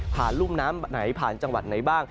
รุ่มน้ำไหนผ่านจังหวัดไหนบ้าง